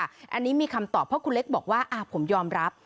อันนี้มีคำตอบเพราะคุณเล็กบอกว่าผมยอมรับ